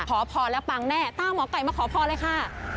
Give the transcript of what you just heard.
ขอพรแล้วปังแน่ตามหมอไก่มาขอพรเลยค่ะ